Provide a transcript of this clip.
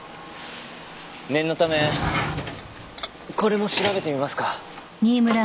念のためこれも調べてみますか？